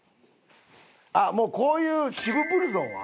あっもうこういう渋ブルゾンは？